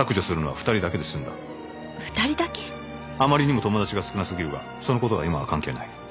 あまりにも友達が少な過ぎるがそのことは今は関係ない。